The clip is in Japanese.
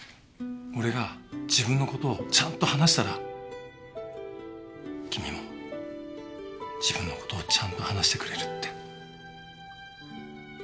俺が自分の事をちゃんと話したら君も自分の事をちゃんと話してくれるって。